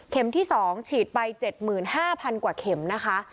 ที่๒ฉีดไป๗๕๐๐กว่าเข็มนะคะ